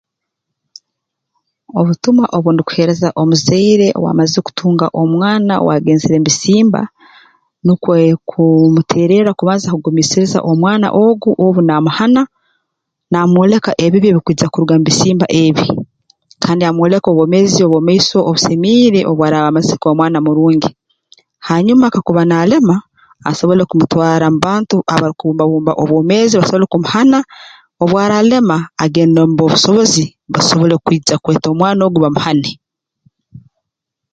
Obutumwa obu ndukuheereza omuzaire owaamazire kutunga omwana owaagenzere mu bisimba nukwo kumuteererra kubanza akagumiisiriza omwana ogu obu naamuhana naamwoleka ebibi ebikwija kuruga mu bisimba ebi kandi amwoleke obwomeezi obw'omu maiso obusemiire obu araaba amazire kuba mwana murungi hanyuma kakuba naalema asobole kumutwara mu bantu abarukubumbabumba obwomeezi basobole kumuhana obu araalema agende mu b'obusobozi basobole kwija kweta omwana ogu bamuhane